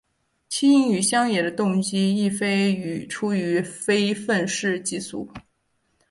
其隐于乡野的动机亦非出于非愤世嫉俗。